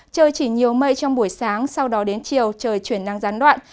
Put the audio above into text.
trời chỉ nhiều mây trong buổi sáng sau đó đến chiều trời chuyển năng gián đoạn